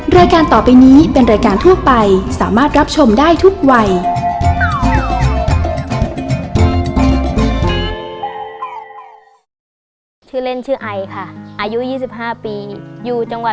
รายการต่อไปนี้เป็นรายการทั่วไปสามารถรับชมได้ทุกวัย